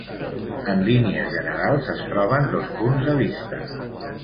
En línies generals es troben dos punts de vista.